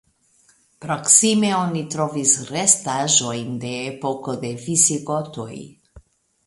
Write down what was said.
Proksime oni trovis restaĵojn de epoko de visigotoj.